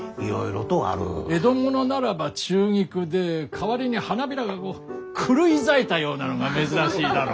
江戸ものならば中菊で代わりに花びらがこう狂い咲いたようなのが珍しいだろう。